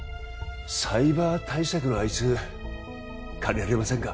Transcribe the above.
サイバー対策のあいつ借りられませんか？